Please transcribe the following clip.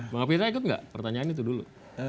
bang kapitra ikut nggak pertanyaan itu dulu